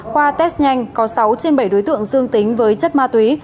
qua test nhanh có sáu trên bảy đối tượng dương tính với chất ma túy